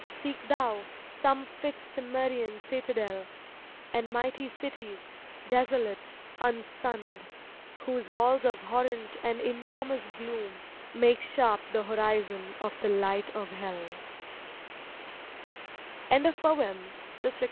Seek thou some fit Cimmerian citadel. And mi^ty cities, desolate, unsunned. Whose walls of horrent and enormous gloom Make sharp the horizon of the light of hdL ooo I Ori <jO o ^^.